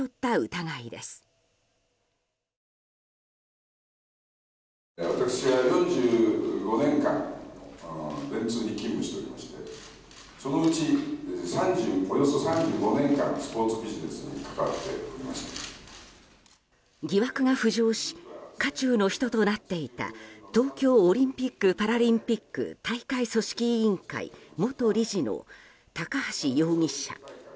疑惑が浮上し渦中の人となっていた東京オリンピック・パラリンピック大会組織委員会元理事の高橋容疑者。